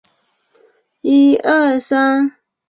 哈萨克斯坦共和国自成立以来一直重视旅游业建设。